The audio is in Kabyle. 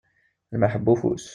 Lmelḥ n ufus.